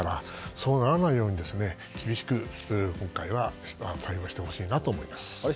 そうならないように厳しく今回は対応してほしいと思います。